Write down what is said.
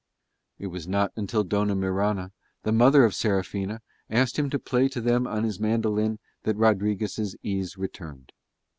It was not until Dona Mirana, the mother of Serafina, asked him to play to them on his mandolin that Rodriguez' ease returned.